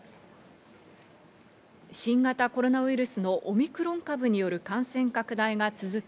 新型コロナウイルスのオミクロン株による感染拡大が続く